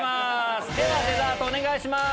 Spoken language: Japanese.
ではデザートお願いします。